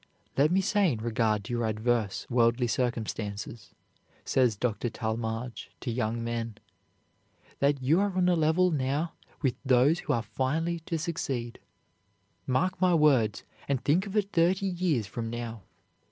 "Let me say in regard to your adverse worldly circumstances," says Dr. Talmage to young men, "that you are on a level now with those who are finally to succeed. Mark my words, and think of it thirty years from now.